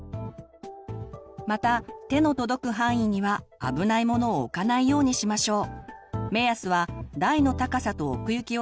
また手の届く範囲には危ないものを置かないようにしましょう。